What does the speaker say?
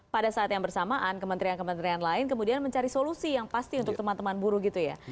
pada saat yang bersamaan kementerian kementerian lain kemudian mencari solusi yang pasti untuk teman teman buruh gitu ya